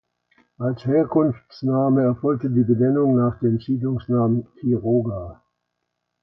Als Herkunftsname erfolgte die Benennung nach dem Siedlungsnamen "Quiroga".